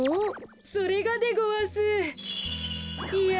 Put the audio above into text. それがでごわすいや